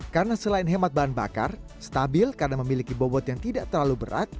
karena selain hemat bahan bakar stabil karena memiliki bobot yang tidak terlalu berat